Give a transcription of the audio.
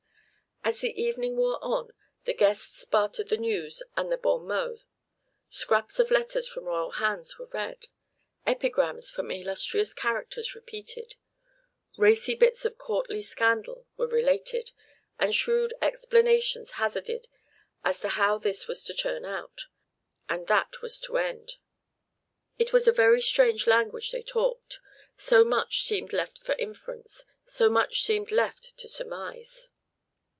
As the evening wore on, the guests bartered the news and bons mots; scraps of letters from royal hands were read; epigrams from illustrious characters repeated; racy bits of courtly scandal were related; and shrewd explanations hazarded as to how this was to turn out, and that was to end. It was a very strange language they talked, so much seemed left for inference, so much seemed left to surmise.